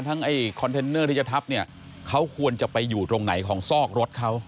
ทั้งไอ้ที่จะทับเนี้ยเขาควรจะไปอยู่ตรงไหนของซอกรถเขา